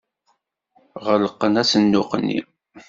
Ɣelqen asenduq-nni.